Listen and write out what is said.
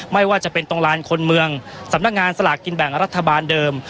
ไม่ว่าจะเป็นตรงลานคนเมืองสำนักงานสลากกินแบ่งรัฐบาลเดิม